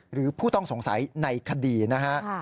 หรือผู้ต้องสงสัยในคดีนะฮะ